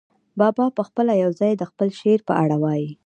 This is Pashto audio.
بابا پخپله یو ځای د خپل شعر په اړه وايي.